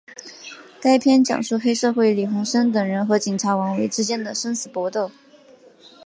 该片讲述黑社会李鸿声等人和警察王维之间的生死搏斗。